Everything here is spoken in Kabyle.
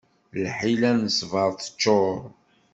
Lḥila n ssbaṛ teččur.